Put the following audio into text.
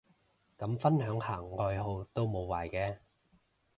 咁分享下愛好都無壞嘅